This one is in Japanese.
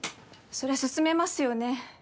そりゃすすめますよね。